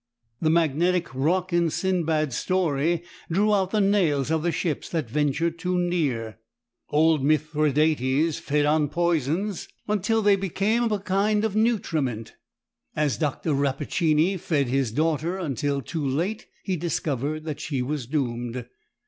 The magnetic rock in Sindbad's story drew out the nails of the ships that ventured too near. Old Mithridates fed on poisons until they "became a kind of nutriment," as Dr. Rappaccini fed his daughter, until, too late, he discovered that she was doomed.